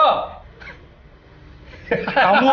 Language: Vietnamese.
nó có một bụi vật